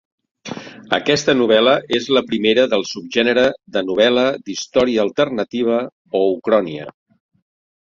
Aquesta novel·la és la primera del subgènere de novel·la d'història alternativa o ucronia.